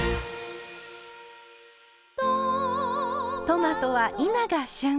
トマトは今が旬。